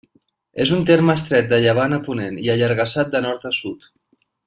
És un terme estret de llevant a ponent i allargassat de nord a sud.